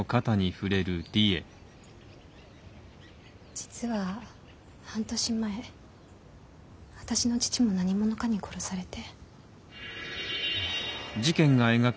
実は半年前私の父も何者かに殺されて。